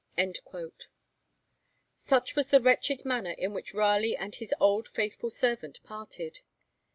Such was the wretched manner in which Raleigh and his old faithful servant parted.